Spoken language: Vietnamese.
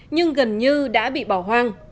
nhưng gần như đã bị bỏ hoang